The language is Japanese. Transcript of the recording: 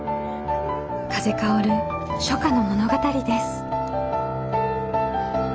風薫る初夏の物語です。